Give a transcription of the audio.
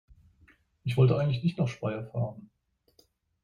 Ich wollte eigentlich nicht nach Speyer fahren